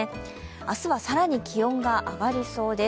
明日は更に気温が上がりそうです。